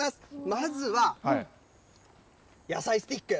まずは、野菜スティック。